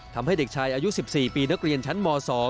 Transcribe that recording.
ทำให้เด็กชายอายุ๑๔ปีนักเรียนชั้นม๒